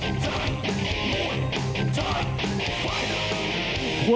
มวยไทยฟไตเตอร์